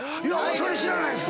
それ知らないです。